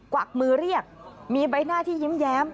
วักมือเรียกมีใบหน้าที่ยิ้มแย้ม